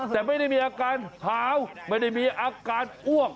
แต่ไม่ได้มีอาการหาวไม่ได้มีอาการอ้วก